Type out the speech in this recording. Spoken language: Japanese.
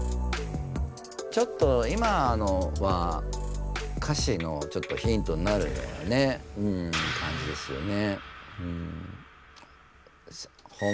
ちょっと今のは歌詞のヒントになるようなねかんじですよね。